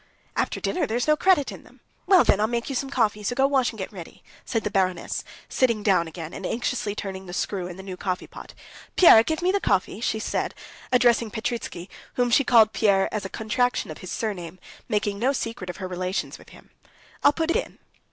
"After dinner there's no credit in them? Well, then, I'll make you some coffee, so go and wash and get ready," said the baroness, sitting down again, and anxiously turning the screw in the new coffee pot. "Pierre, give me the coffee," she said, addressing Petritsky, whom she called Pierre as a contraction of his surname, making no secret of her relations with him. "I'll put it in."